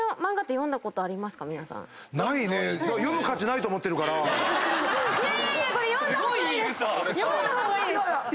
読んだ方がいいです。